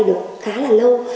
được khá là lâu